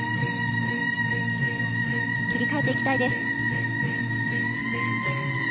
切り替えていきたいです。